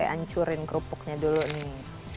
ancurin kerupuknya dulu nih